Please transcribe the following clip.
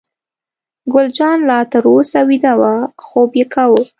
ګل جانه لا تر اوسه ویده وه، خوب یې کاوه.